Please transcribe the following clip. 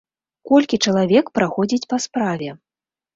Колькі чалавек праходзіць па справе?